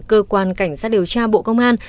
cơ quan cảnh sát điều tra bộ công an